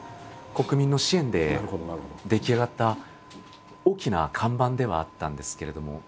国民の支援で出来上がった大きな看板ではあったんですけれども。